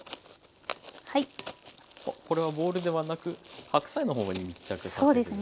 これはボウルではなく白菜の方に密着させるんですね。